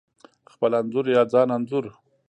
خپل انځور یا ځان انځور: